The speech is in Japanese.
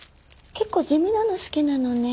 結構地味なの好きなのね。